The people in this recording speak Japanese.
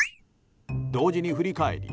同時に振り返り